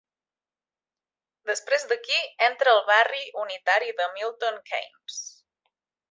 Després d'aquí, entra al barri unitari de Milton Keynes.